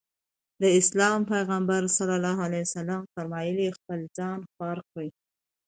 د اسلام پيغمبر ص وفرمايل خپل ځان خوار کړي.